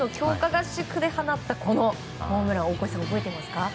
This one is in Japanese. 合宿で放ったこのホームラン大越さん、覚えてますか？